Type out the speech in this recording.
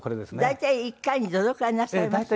大体１回にどのくらいなさります？